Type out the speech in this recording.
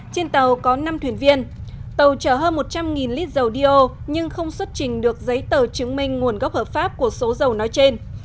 trên tàu có năm thuyền viên tàu chở hơn một trăm linh lít dầu diô nhưng không xuất trình được giấy tờ chứng minh nguồn gốc hợp pháp của số dầu nói trên